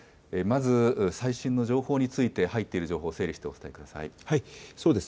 まず最新の情報について入っている情報を教えてください。